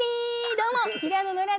どうも平野ノラ